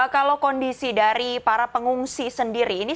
kalau kondisi dari para pengungsi sendiri ini